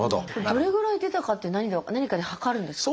どれぐらい出たかって何かで量るんですか？